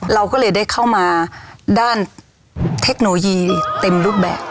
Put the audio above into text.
เราก็เลยได้เข้ามาด้านเทคโนโลยีเต็มรูปแบบ